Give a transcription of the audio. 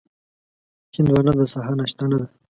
هندوانه د سهار ناشته نه ده.